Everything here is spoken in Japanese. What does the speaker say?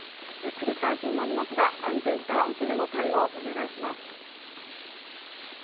繰り返しになりますが安全第一での対応をお願いします。